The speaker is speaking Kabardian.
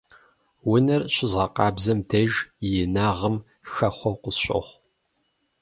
Унэр щызгъэкъабзэм деж и инагъым хэхъуэу къысщохъу.